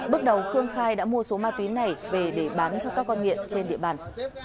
bước đầu khương khai đã mua số ma túy này về để bán cho các con nghiện trên địa bàn